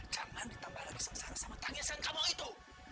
jangan ditambah lagi sengsara sama tangisan kapal itu